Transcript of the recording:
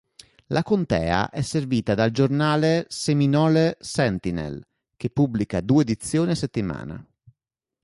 La contea è servita dal giornale "Seminole Sentinel", che pubblica due edizioni a settimane.